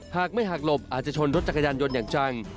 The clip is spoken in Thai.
หากไม่หักหลบอาจจะชนรถจักรยานยนต์อย่างจัง